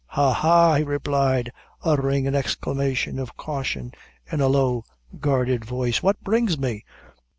"Ha! ha!" he replied, uttering an exclamation of caution in a low, guarded voice "what brings me?